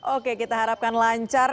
oke kita harapkan lancar